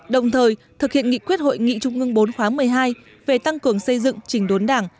đồng thời thực hiện nghị quyết hội nghị trung ương bốn khóa một mươi hai về tăng cường xây dựng trình đốn đảng